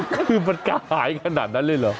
คือมันกระหายขนาดนั้นเลยเหรอ